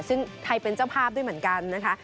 ซึ่งไทยเป็นเจ้าภาพด้วยเหมือนกันนะคะ